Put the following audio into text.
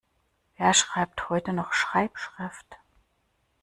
Wer schreibt heute noch Schreibschrift?